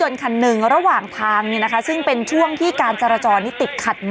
น้องเขามายังไง